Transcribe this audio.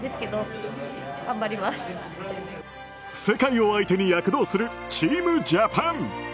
世界を相手に躍動するチームジャパン。